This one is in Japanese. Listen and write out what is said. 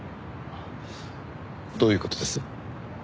どういう事です？